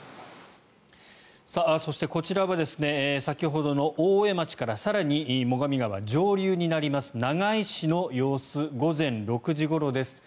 そして、こちらは先ほどの大江町から更に最上川上流になります長井市の様子午前６時ごろです。